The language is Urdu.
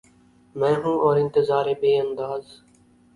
میں ہوں اور انتظار بے انداز